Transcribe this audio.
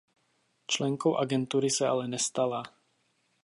Členkou agentury se ale nestala.